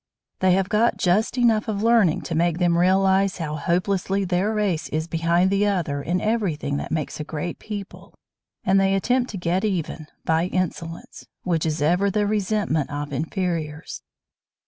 They have got just enough of learning to make them realize how hopelessly their race is behind the other in everything that makes a great people, and they attempt to "get even" by insolence, which is ever the resentment of inferiors.